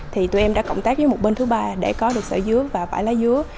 thì tụi em đã cộng tác với một bên thứ ba để có được sợi dứa và vải lá dứa